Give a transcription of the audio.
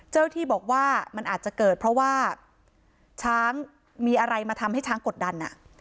เจ้าที่บอกว่ามันอาจจะเกิดเพราะว่าช้างมีอะไรมาทำให้ช้างกดดัน